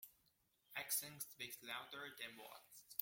Actions speak louder than words.